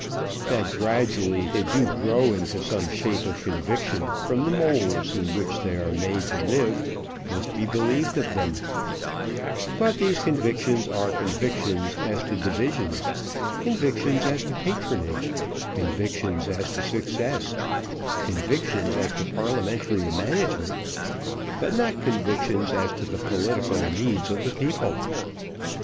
That gradually they do grow into some shape of conviction from the moulds in which they are made to live, must be believed of them; but these convictions are convictions as to divisions, convictions as to patronage, convictions as to success, convictions as to Parliamentary management; but not convictions as to the political needs of the people.